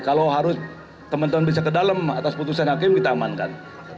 kalau harus teman teman bisa ke dalam atas putusan hakim kita amankan